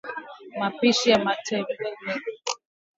mapishi ya matembele